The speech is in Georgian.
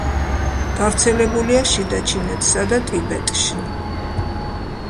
გავრცელებულია შიდა ჩინეთსა და ტიბეტში.